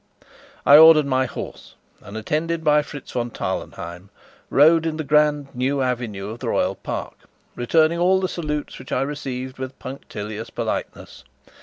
I ordered my horse, and, attended by Fritz von Tarlenheim, rode in the grand new avenue of the Royal Park, returning all the salutes which I received with punctilious politeness.